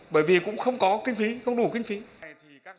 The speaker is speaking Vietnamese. bởi vì cũng không có kinh phí không đủ kinh phí